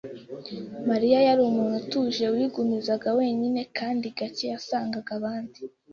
Mariya yari umuntu utuje wigumizaga wenyine kandi gake wasangaga abandi.